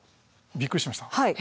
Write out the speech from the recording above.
びっくりしました。